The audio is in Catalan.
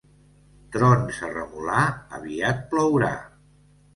Trons a Remolar, aviat plourà.